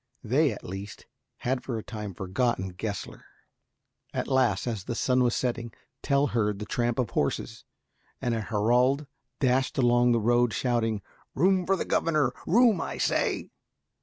They, at least, had for a time forgotten Gessler. At last, as the sun was setting, Tell heard the tramp of horses, and a herald dashed along the road, shouting, "Room for the governor. Room, I say."